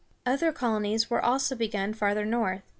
Other colonies were also begun farther north.